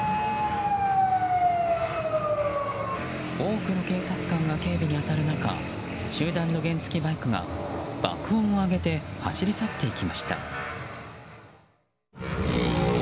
多くの警察官が警備に当たる中集団の原付きバイクが爆音を上げて走り去っていきました。